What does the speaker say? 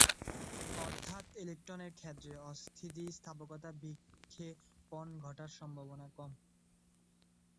অর্থাৎ ইলেক্ট্রনের ক্ষেত্রে অস্থিতিস্থাপক বিক্ষেপণ ঘটার সম্ভাবনা কম।